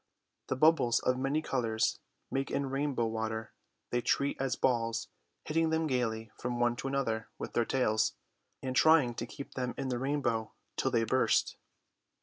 The bubbles of many colours made in rainbow water they treat as balls, hitting them gaily from one to another with their tails, and trying to keep them in the rainbow till they burst.